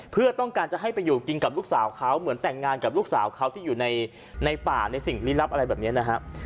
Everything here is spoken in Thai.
เพื่อต้องการจะให้ไปอยู่กินกับลูกสาวเขาเหมือนแต่งงานกับลูกสาวเขาที่อยู่ในป่าในสิ่งลี้ลับอะไรแบบนี้นะฮะ